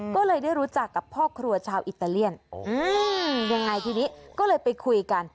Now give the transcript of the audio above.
ก็เลยได้รู้จักกับพ่อครัวชาวอิตาเลียนยังไงทีนี้ก็เลยไปคุยกัน